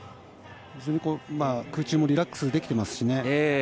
空中もリラックスできていますしね。